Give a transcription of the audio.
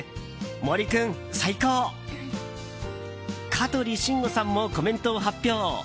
香取慎吾さんもコメントを発表。